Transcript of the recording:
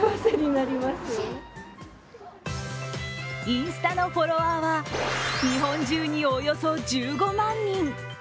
インスタのフォロワーは日本中におよそ１５万人。